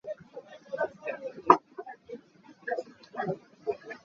Darkeu in rawl ei kan thiam naak hi a sau tuk rih lo.